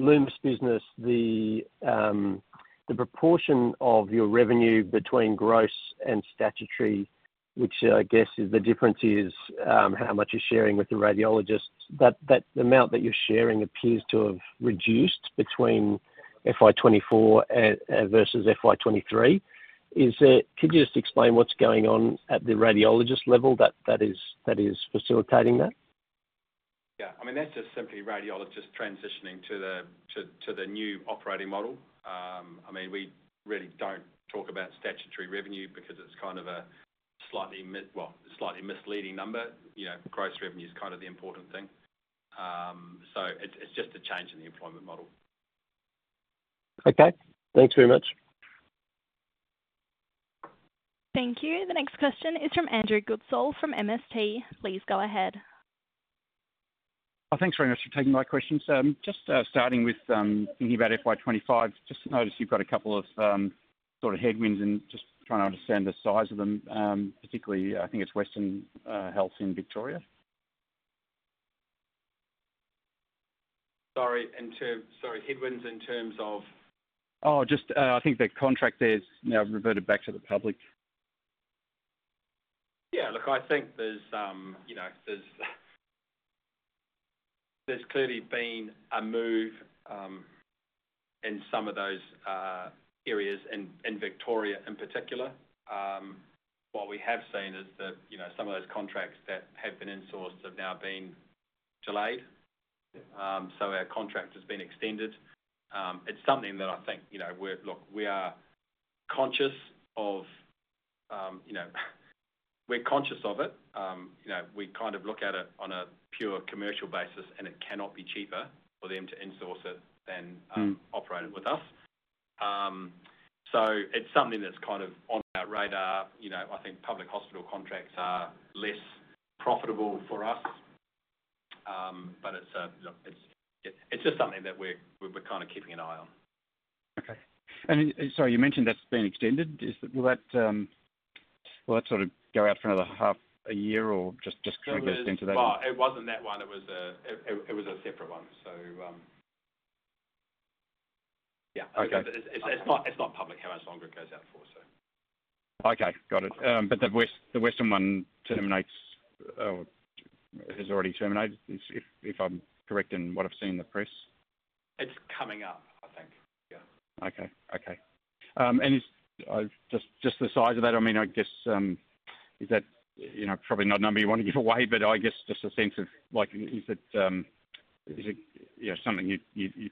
Lumus business, the proportion of your revenue between gross and statutory, which I guess is the difference, is how much you're sharing with the radiologists, that amount that you're sharing appears to have reduced between FY 2024 versus FY 2023. Could you just explain what's going on at the radiologist level that is facilitating that? Yeah, I mean, that's just simply radiologists transitioning to the new operating model. I mean, we really don't talk about statutory revenue because it's kind of a slightly misleading number. You know, gross revenue is kind of the important thing, so it's just a change in the employment model. Okay. Thanks very much. Thank you. The next question is from Andrew Goodsall, from MST. Please go ahead. Thanks very much for taking my questions. Just starting with thinking about FY 2025, just noticed you've got a couple of sort of headwinds, and just trying to understand the size of them, particularly, I think it's Western Health in Victoria. Sorry, headwinds in terms of? Oh, just, I think the contract there has now reverted back to the public. Yeah, look, I think there's, you know, there's clearly been a move in some of those areas in Victoria in particular. What we have seen is that, you know, some of those contracts that have been insourced have now been delayed. So our contract has been extended. It's something that I think, you know, we are conscious of it. You know, we're conscious of it. You know, we kind of look at it on a pure commercial basis, and it cannot be cheaper for them to in-source it than operate it with us. So it's something that's kind of on our radar. You know, I think public hospital contracts are less profitable for us, but it's, you know, it's just something that we're kind of keeping an eye on. Okay. And sorry, you mentioned that's been extended. Will that sort of go out for another half a year or just kind of extend to that? Well, it wasn't that one. It was a separate one, so, yeah. Okay. It's not public how much longer it goes out for, so. Okay, got it. But the Western one terminates, or it has already terminated, if I'm correct in what I've seen in the press? It's coming up, I think. Yeah. Okay. And is just the size of that, I mean, I guess, is that, you know, probably not a number you want to give away, but I guess just a sense of like, is it, you know, something you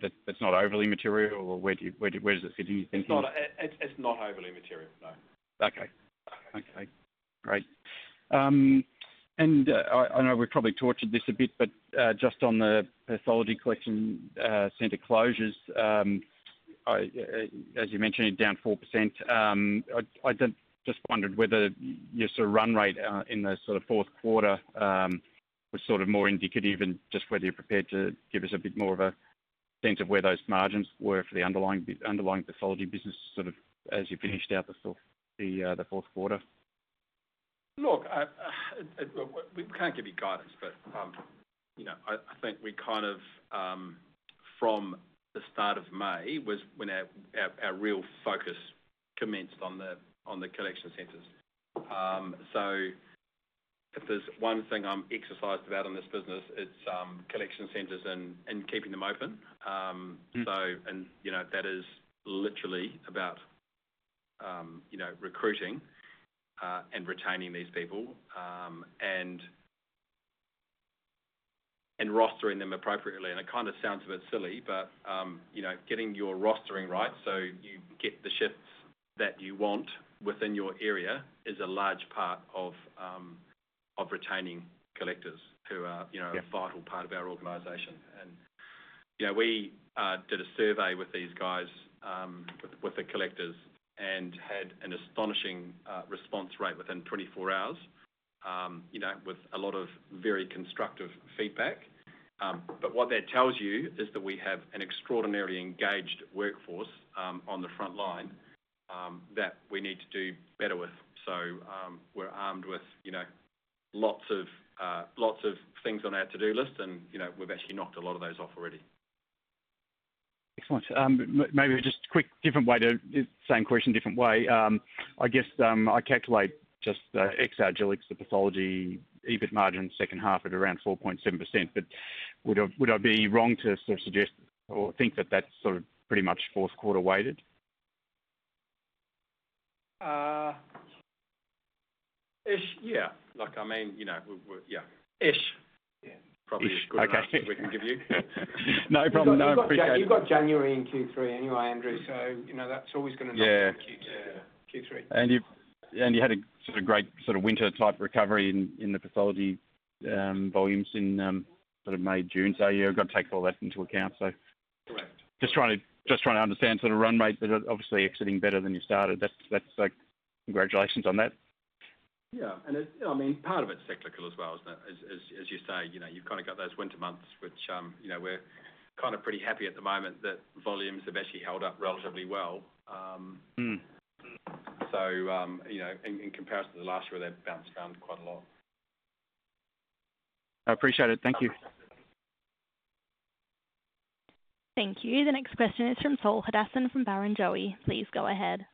that's not overly material, or where does it fit in your thinking? It's not, it's not overly material, no. Okay. Okay, great. And I know we've probably tortured this a bit, but just on the pathology collection center closures, as you mentioned, you're down 4%. I just wondered whether your sort of run rate in the sort of fourth quarter was sort of more indicative and just whether you're prepared to give us a bit more of a sense of where those margins were for the underlying pathology business, sort of, as you finished out the fourth quarter. Look, we can't give you guidance, but, you know, I think we kind of, from the start of May was when our real focus commenced on the collection centers. So if there's one thing I'm exercised about in this business, it's collection centers and keeping them open. Mm. You know, that is literally about, you know, recruiting and retaining these people, and rostering them appropriately. It kind of sounds a bit silly, but, you know, getting your rostering right, so you get the shifts that you want within your area, is a large part of retaining collectors who are, you know- Yeah a vital part of our organization, and you know, we did a survey with these guys with the collectors, and had an astonishing response rate within 24 hours, you know, with a lot of very constructive feedback, but what that tells you is that we have an extraordinarily engaged workforce on the front line that we need to do better with, so we're armed with, you know, lots of things on our to-do list, and, you know, we've actually knocked a lot of those off already. Excellent. Maybe just a quick different way to same question, different way. I guess I calculate just ex Agilex the pathology EBIT margin in second half at around 4.7%, but would I be wrong to sort of suggest or think that that's sort of pretty much fourth quarter weighted? Yeah. Like, I mean, you know, we, yeah. Yeah. Probably is good Okay. Answer we can give you. No problem. No, I appreciate it. You've got January and Q3 anyway, Andrew, so, you know, that's always gonna knock Yeah Q2, Q3. You had a sort of great winter-type recovery in the pathology volumes in sort of May, June. You've got to take all that into account. Correct. Just trying to understand sort of run rate, but obviously exiting better than you started. That's like, congratulations on that. Yeah. And it. I mean, part of it's cyclical as well, isn't it? As you say, you know, you've kind of got those winter months which, you know, we're kind of pretty happy at the moment that volumes have actually held up relatively well. Mm. You know, in comparison to the last year, they've bounced around quite a lot. I appreciate it. Thank you. Thank you. The next question is from Saul Hadassin, from Barrenjoey. Please go ahead.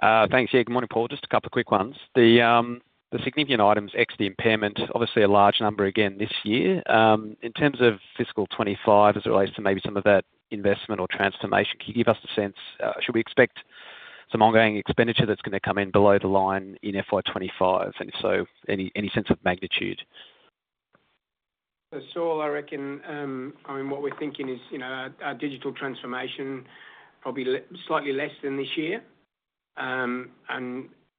Thanks. Yeah, good morning, Paul. Just a couple of quick ones. The significant items, ex the impairment, obviously a large number again this year. In terms of fiscal 2025, as it relates to maybe some of that investment or transformation, can you give us a sense, should we expect some ongoing expenditure that's going to come in below the line in FY 2025? And if so, any sense of magnitude? So, Saul, I reckon, I mean, what we're thinking is, you know, our digital transformation probably slightly less than this year. And,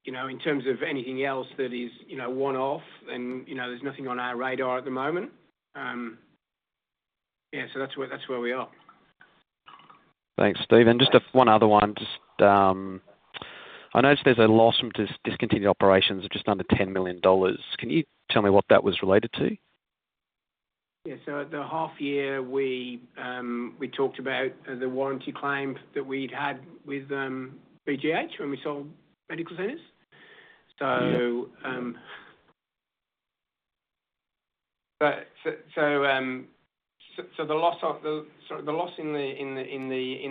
you know, in terms of anything else that is, you know, one-off, and, you know, there's nothing on our radar at the moment. Yeah, so that's where we are. Thanks, Stephen. Just one other one. Just I noticed there's a loss from discontinued operations of just under 10 million dollars. Can you tell me what that was related to? Yeah. So at the half year, we talked about the warranty claim that we'd had with BGH, when we sold medical centers. Yeah. So, the loss in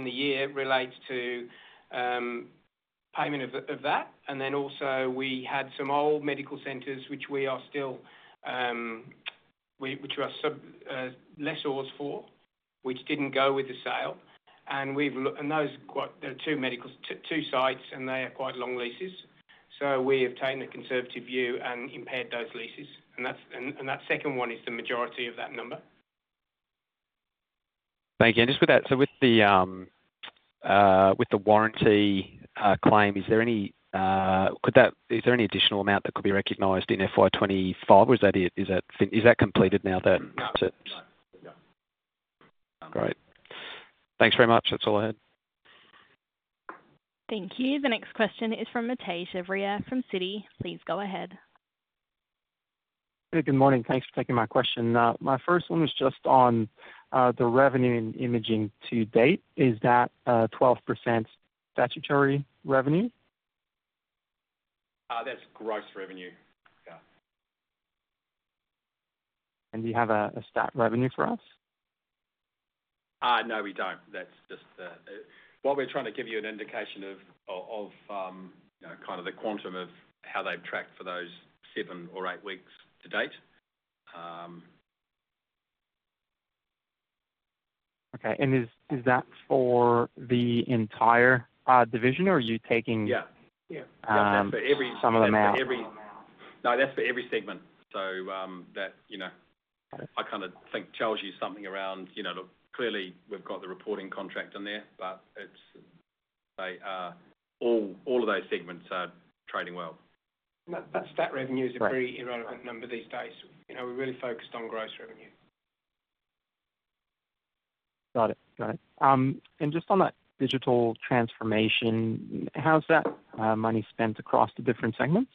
the year relates to payment of that, and then also we had some old medical centers which we are still sub-lessors for, which didn't go with the sale, and those, there are two medical, two sites, and they are quite long leases. So we have taken a conservative view and impaired those leases, and that's, and that second one is the majority of that number. Thank you. And just with that, so with the warranty claim, is there any additional amount that could be recognized in FY 2025, or is that it, is that completed now that- No, yeah. Great. Thanks very much. That's all I had. Thank you. The next question is from Mathieu Chevrier from Citi. Please go ahead. Hey, good morning. Thanks for taking my question. My first one was just on the revenue and imaging to date. Is that 12% statutory revenue? That's gross revenue. Yeah. Do you have a statutory revenue for us? No, we don't. That's just the what we're trying to give you an indication of, of, you know, kind of the quantum of how they've tracked for those seven or eight weeks to date. Okay. And is that for the entire division, or are you taking Yeah. Yeah. Some of them out. No, that's for every segment. So, that, you know, I kind of think tells you something around, you know, clearly we've got the reporting contract in there, but it's, they are, all, all of those segments are trading well. That stat revenue is a very irrelevant number these days. You know, we're really focused on gross revenue. Got it. Got it. And just on that digital transformation, how's that money spent across the different segments?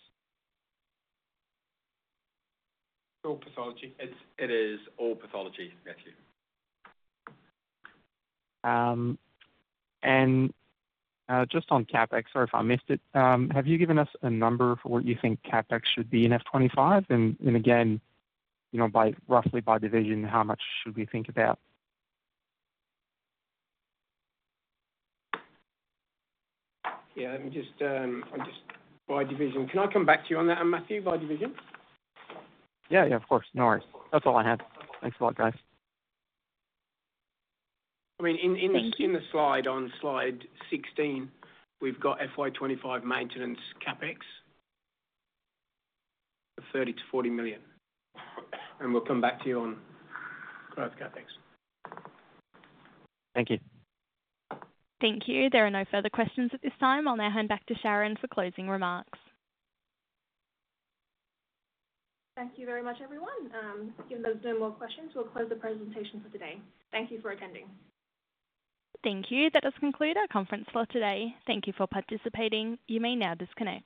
All pathology. It is all pathology, Mathieu. Just on CapEx, sorry if I missed it, have you given us a number for what you think CapEx should be in FY 2025? And again, you know, by roughly division, how much should we think about? Yeah, let me just, I'm just by division. Can I come back to you on that, Mathieu, by division? Yeah, yeah, of course. No worries. That's all I had. Thanks a lot, guys. I mean, in the slide, on slide 16, we've got FY 2025 maintenance CapEx, 30 million-40 million, and we'll come back to you on growth CapEx. Thank you. Thank you. There are no further questions at this time. I'll now hand back to Sharon for closing remarks. Thank you very much, everyone. Given there's no more questions, we'll close the presentation for today. Thank you for attending. Thank you. That does conclude our conference call today. Thank you for participating. You may now disconnect.